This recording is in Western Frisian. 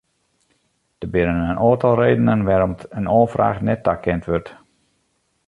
Der binne in oantal redenen wêrom't in oanfraach net takend wurdt.